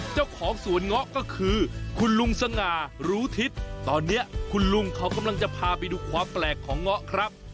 เจ้าของสวนเงาะก็คือคุณลุงสง่ารู้ทิศตอนนี้คุณลุงเขากำลังจะพาไปดูความแปลกของเงาะครับ